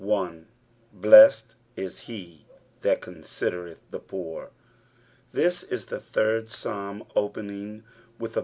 1. ^^BUsaed is lie that considereth the poor.''' This is the third Panlm opening nilh a.